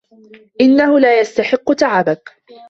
انه لا يستحق تعبك.